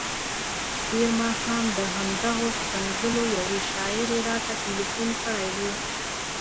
تېر ماښام د همدغو ښکنځلو یوې شاعرې راته تلیفون کړی وو.